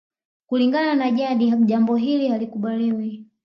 Kulingana na jadi jambo hili halikubaliwi